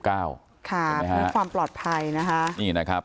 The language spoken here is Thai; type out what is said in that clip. ความปลอดภัยนะครับ